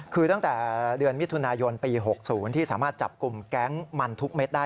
คือตั้งแต่เดือนมิถุนายนปี๖๐ที่สามารถจับกลุ่มแก๊งมันทุกเม็ดได้